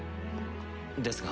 ですが。